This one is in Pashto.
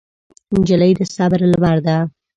نجلۍ د صبر لمر ده.